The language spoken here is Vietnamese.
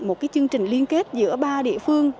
một cái chương trình liên kết giữa ba địa phương